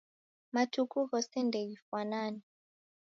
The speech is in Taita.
Matuku ghose ndeghifwanane.